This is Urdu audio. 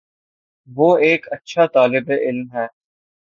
وہ ایک اچھا طالب علم ہے